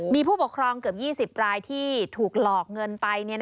มีผู้ปกครองเกือบ๒๐รายที่ถูกหลอกเงินไป